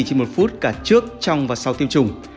chỉ một phút cả trước trong và sau tiêm chủng